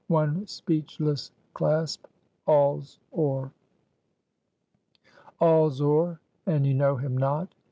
one speechless clasp! all's o'er!" "All's o'er, and ye know him not!"